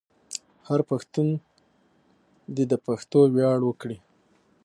هر پښتون دې د پښتو ویاړ وکړي.